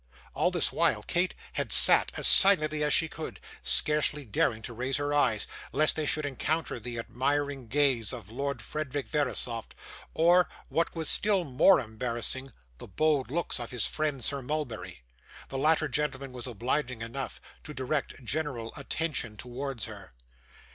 All this while, Kate had sat as silently as she could, scarcely daring to raise her eyes, lest they should encounter the admiring gaze of Lord Frederick Verisopht, or, what was still more embarrassing, the bold looks of his friend Sir Mulberry. The latter gentleman was obliging enough to direct general attention towards her.